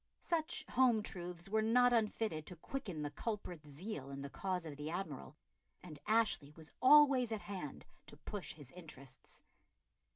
Such home truths were not unfitted to quicken the culprit's zeal in the cause of the Admiral, and Ashley was always at hand to push his interests.